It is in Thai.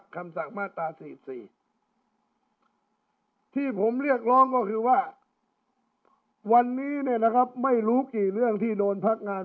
คำสั่งมาตรา๔๔ที่ผมเรียกร้องก็คือว่าวันนี้เนี่ยนะครับไม่รู้กี่เรื่องที่โดนพักงาน